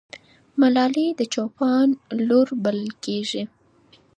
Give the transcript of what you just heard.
ملالۍ د چوپان لور بلل کېږي.